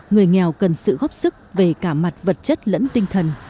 người nghèo cần sự góp sức về cả mặt vật chất lẫn tinh thần